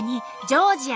ジョージア？